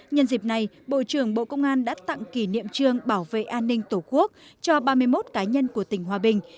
nhân dịp này bộ trưởng bộ công an đã tặng kỷ niệm trương bảo vệ an ninh tổ quốc cho ba mươi một cá nhân của tỉnh hòa bình